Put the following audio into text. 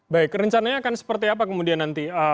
baik rencananya akan seperti apa kemudian nanti